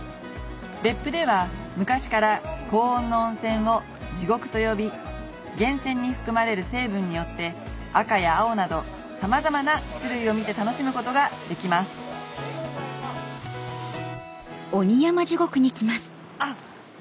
別府では昔から高温の温泉を「地獄」と呼び源泉に含まれる成分によって赤や青などさまざまな種類を見て楽しむことができますあっ。